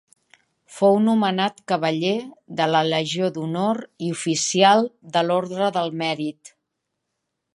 Fou nomenat cavaller de la Legió d'Honor i oficial de l'Orde del Mèrit.